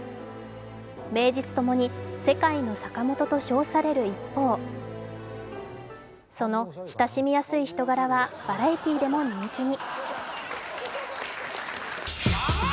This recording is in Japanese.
名実ともに、世界の坂本と称される一方その親しみやすい人柄はバラエティーでも人気に。